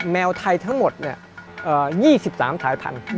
แมวไทยทั้งหมด๒๓สายพันธุ์